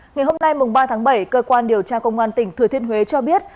ngày hôm nay ba tháng bảy cơ quan điều tra công an tỉnh thừa thiên huế cho biết